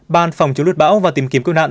ban phòng chống luật bão và tìm kiếm cơ nạn